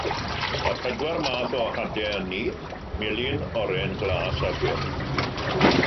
Mae pedwar math o Hadau Ynni: Melyn, Oren, Glas a Gwyrdd.